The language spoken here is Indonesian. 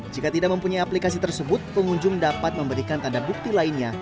jika tidak mempunyai aplikasi tersebut pengunjung dapat memberikan tanda bukti lainnya